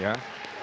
jawa barat ini